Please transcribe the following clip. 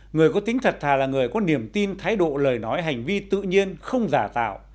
người có tính thật thà là người có niềm tin thái độ lời nói hành vi tự nhiên không giả tạo